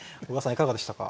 いかがでしたか？